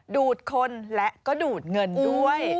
ดูดคนและก็ดูดเงินด้วย